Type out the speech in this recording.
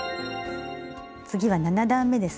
次は７段めですね。